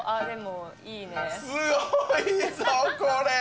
すごいぞこれ！